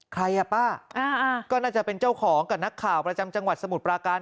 ใครอ่ะป้าก็น่าจะเป็นเจ้าของกับนักข่าวประจำจังหวัดสมุทรปราการ